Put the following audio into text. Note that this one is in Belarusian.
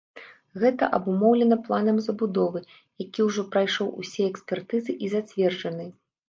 Гэта абумоўлена планам забудовы, які ўжо прайшоў усе экспертызы і зацверджаны.